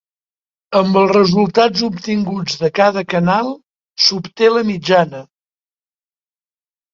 Amb els resultats obtinguts de cada canal s'obté la mitjana.